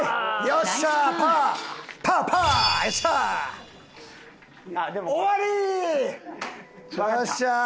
よっしゃー！